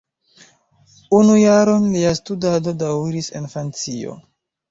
Unu jaron lia studado daŭris en Francio.